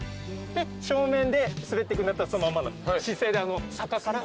で正面で滑ってくんだったらそのまんまの姿勢で。